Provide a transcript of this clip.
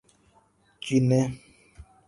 چینّے